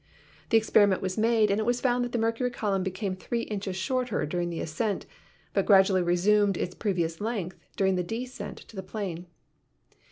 The experiment was made and it was found that the mercury column became three inches shorter during the ascent, but gradually resumed its previous length dur ing the descent to the plain.